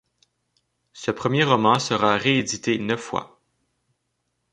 Ce premier roman sera réédité neuf fois.